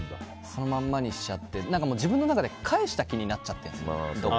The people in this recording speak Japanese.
そんまんまにしちゃって自分の中でどこかで返した気になっちゃってるんですよ。